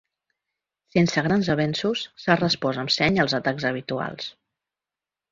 Sense grans avenços s’ha respost amb seny als atacs habituals.